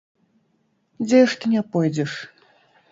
Дзе ж ты не пойдзеш!